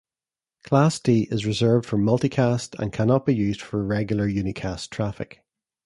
Class D is reserved for multicast and cannot be used for regular unicast traffic.